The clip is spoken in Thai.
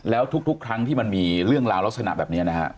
แล้วทุกครั้งที่มันมีเรื่องราวลักษณะแบบนี้นะฮะ